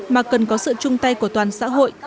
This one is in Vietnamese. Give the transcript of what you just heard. mà cần có sự chung tay của toàn xã hội